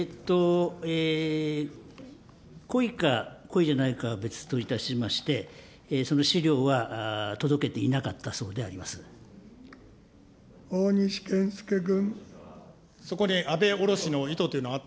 故意か故意じゃないかは別といたしまして、その資料は届けて大西健介君。